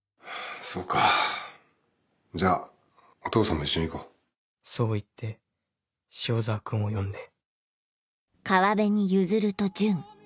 そうかじゃあお父さんも一緒に行こうそう言って塩澤君を呼んで。